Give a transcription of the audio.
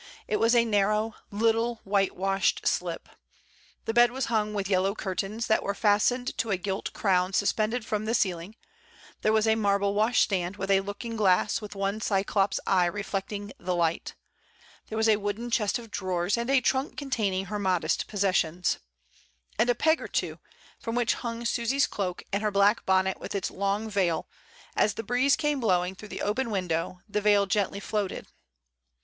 It was a narrow, little white washed slip. The bed was hung with yellow cur tains, that were fastened to a gilt crown suspended from the ceiling; there was a marble washstand, with a looking glass with one Cyclops eye reflecting the light; there was a wooden chest of drawers, and a trunk containing her modest possessions; and a peg or two, from which hung Susy's cloak and her black bonnet with its long veil; as the breeze came blowing through the open window the veil gently floated.